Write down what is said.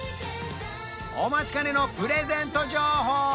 お待ちかねのプレゼント情報